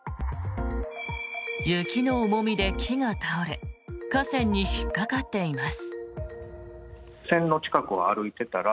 雪の重みで木が倒れ架線に引っかかっています。